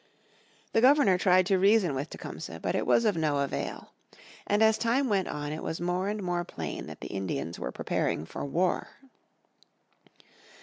The Governor tried to reason with Tecumseh, but it was of no avail. And as time went on it was more and more plain that the Indians were preparing for war.